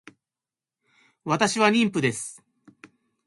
私は妊婦です